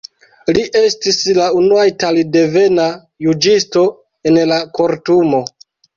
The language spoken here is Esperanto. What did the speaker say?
Li estis la unua italdevena juĝisto en la Kortumo.